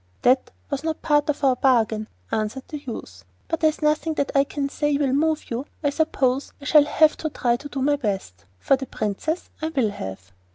'That was no part of our bargain,' answered the youth. 'But as nothing that I can say will move you, I suppose I shall have to try to do my best, for the Princess I will have.